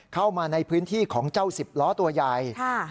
เข้ามาในพื้นที่ของเจ้าสิบล้อตัวใหญ่